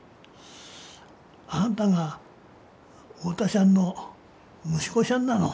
「あんたが太田しゃんの息子しゃんなの」。